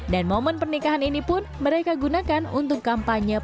dan momen pernikahan ini pun mereka gunakan untuk kampanye pemanfaatan sampah